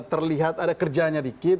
terlihat ada kerjanya dikit